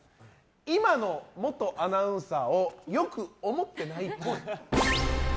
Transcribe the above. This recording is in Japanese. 今の元アナウンサーをよく思ってないっぽい。